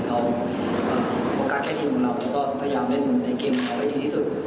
เอาโอกาสแค่ทีมของเราเราก็พยายามเล่นในเกมของเขาให้ดีที่สุด